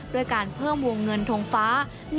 ด้วยการเพิ่มวงเงินทงฟ้า